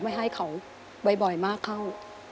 ไม่ให้เขาบ่อยมากเข้า